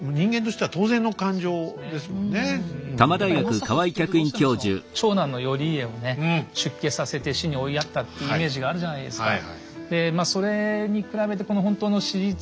やっぱり政子っていうとどうしても長男の頼家を出家させて死に追いやったっていうイメージがあるじゃないですか。